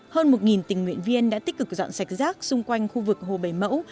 hơn một tình nguyện viên đã tích cực dọn sạch rác xung quanh khu vực hồ bảy mẫu